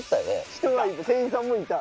人はいる店員さんもいた。